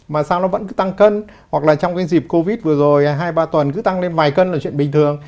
mà sao nó vẫn cứ tăng cân hoặc là trong cái dịp covid vừa rồi hai ba tuần cứ tăng lên vài cân ở chuyện bình thường